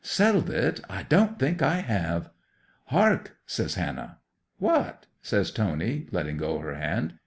"Settled it? I don't think I have!" '"Hark!" says Hannah. '"What?" says Tony, letting go her hand.